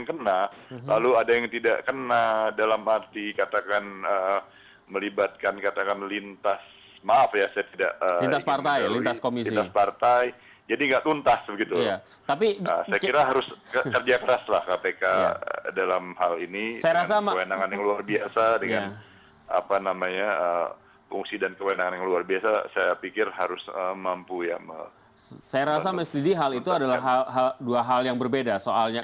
kalau terbukti ya bung emerson